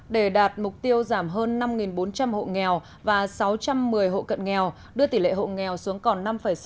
để đạt mục tiêu giảm hơn năm bốn trăm linh hộ nghèo và sáu trăm một mươi hộ cận nghèo đưa tỷ lệ hộ nghèo xuống còn năm sáu mươi